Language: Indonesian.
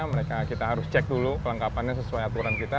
mereka kita harus cek dulu kelengkapannya sesuai aturan kita